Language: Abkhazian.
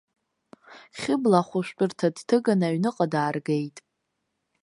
Хьыбла ахәшәтәырҭа дҭыганы аҩныҟа дааргеит.